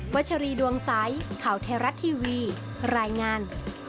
วัชรีดวงสายข่าวเทราะทีวีรายงาน